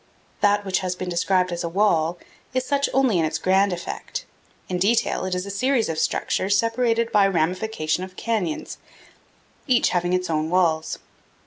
That which has been described as a wall is such only in its grand effect. In detail it is a series of structures separated by a ramification of canyons, each having its own walls.